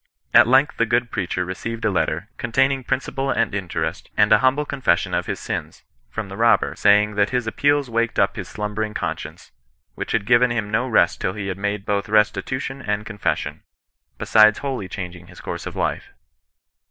At length the good preacher re ceived a letter, containing principal and interest, and a humble confession of his sms, from the robber, saying, that his appeals waked up his slumbering conscience^ which had given him no rest till he had made both res titution and confession, besides wholly changing his course of life."